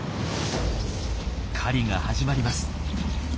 狩りが始まります。